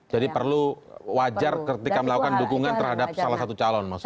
jadi perlu wajar ketika melakukan dukungan terhadap salah satu calon maksudnya